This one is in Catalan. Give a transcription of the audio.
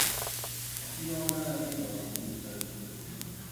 A quina hora arriba l'autobús d'Arenys de Munt?